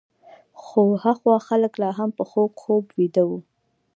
خو هخوا خلک لا هم په خوږ خوب ویده وو.